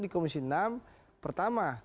di komisi enam pertama